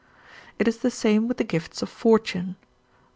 It is the same with the gifts of fortune.